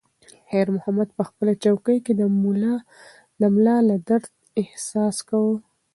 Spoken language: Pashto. خیر محمد په خپله چوکۍ کې د ملا د درد احساس کاوه.